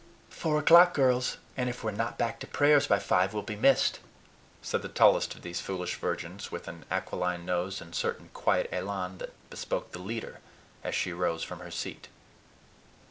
"Four o'clock, girls! and, if we're not back to prayers by five, we'll be missed," said the tallest of these foolish virgins, with an aquiline nose, and certain quiet elan that bespoke the leader, as she rose from her seat.